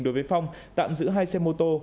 đối với phong tạm giữ hai xe mô tô